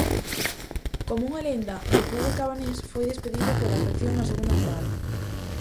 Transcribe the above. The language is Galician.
Como unha lenda do fútbol cabanés foi despedido pola afección na segunda metade.